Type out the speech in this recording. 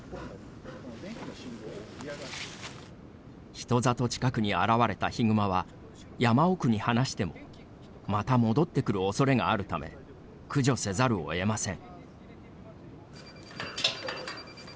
人里近くに現れたヒグマは山奥に放してもまた戻ってくる恐れがあるため駆除せざるを得ません。